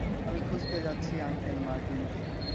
আমি খুজতে যাচ্ছি আংকেল মার্টিন্কে।